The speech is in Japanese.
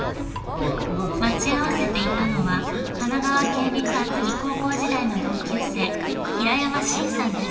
待ち合わせていたのは神奈川県立厚木高校時代の同級生平山伸さんです。